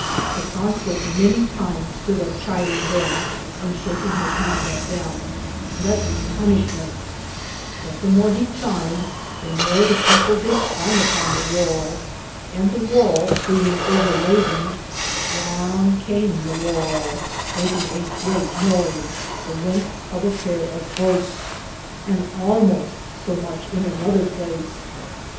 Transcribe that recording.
The Consoll many times stood up chidinge them, and shakinge his hande at them, threatininge punishmente; but the more he chid, the more the people did climbe upon the wale, and the wale beinge over loden, Downe came the wale, makinge a greate noyes, the lengthe of a pare of butes (boats), and almoste so muche in another place.